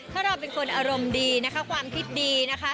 ถ้าเราเป็นคนอารมณ์ดีนะคะความคิดดีนะคะ